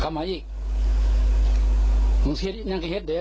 กลับมาอีกมึงเชียดินั่งแค่เฮ็ดเด็ก